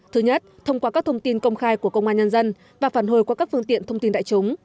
thứ nhất thông qua các thông tin công khai của công an nhân dân và phản hồi qua các phương tiện thông tin đại chúng